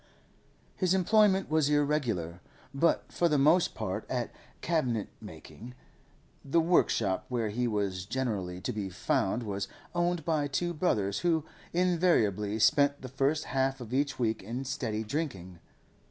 His employment was irregular, but for the most part at cabinet making. The workshop where he was generally to be found was owned by two brothers, who invariably spent the first half of each week in steady drinking.